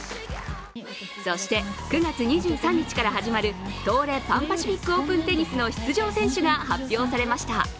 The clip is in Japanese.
そして、９月２３日から始まる東レパンパシフィックオープンテニスの出場選手が発表されました。